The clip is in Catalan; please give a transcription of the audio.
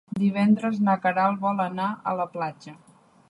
Divendres na Queralt vol anar a la platja.